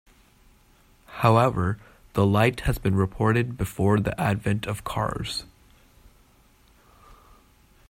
However, the light has been reported before the advent of cars.